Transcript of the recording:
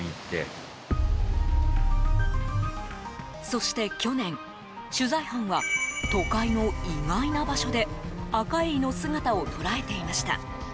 そして去年、取材班は都会の意外な場所でアカエイの姿を捉えていました。